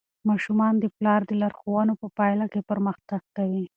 ماشومان د پلار د لارښوونو په پایله کې پرمختګ کوي.